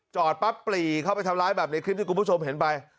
จอดปั๊บปรีเข้าไปทำร้ายแบบในคลิปที่คุณผู้ชมเห็นไป